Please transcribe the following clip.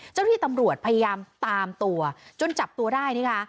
เจ้าที่ตำรวจพยายามตามตัวจนจับตัวได้นี่ค่ะ